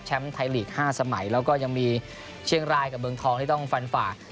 ไทยลีก๕สมัยแล้วก็ยังมีเชียงรายกับเมืองทองที่ต้องฟันฝ่า